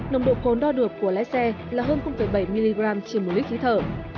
nồng độ cồn đo được của lái xe là hơn bảy mg trên một lít khí thở